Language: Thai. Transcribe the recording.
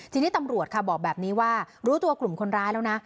ทีนี้ตำรวจค่ะบอกแบบนี้ว่ารู้ตัวกลุ่มคนร้ายแล้วนะ